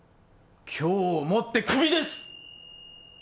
今日をもってクビです！